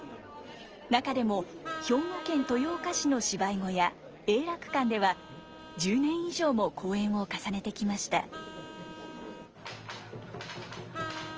中でも兵庫県豊岡市の芝居小屋永楽館では１０年以上も公演を重ねてきました。